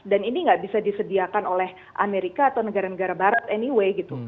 dan ini nggak bisa disediakan oleh amerika atau negara negara barat anyway